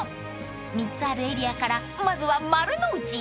［３つあるエリアからまずは丸の内へ］